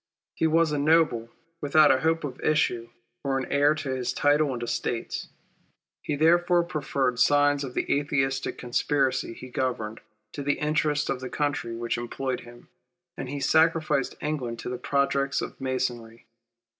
He was a noble, without a hope of issue, or of a near heir to his title and estates. He therefore preferred the designs of the Atheistic conspiracy he governed, to the interests of the country which employed him, and he sacrificed England to the projects of Masonry.